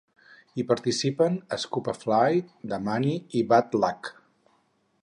Hi participen Scoopafly, Damani i Bad Lucc.